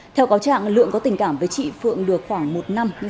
theo cáo trạng lượng có tình cảm với chị phượng được khoảng một năm